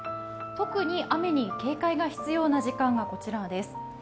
特に雨に警戒が必要な時間がこちらです。